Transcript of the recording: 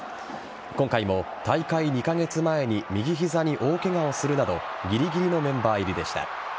今回も大会２カ月前に右膝に大ケガをするなどぎりぎりのメンバー入りでした。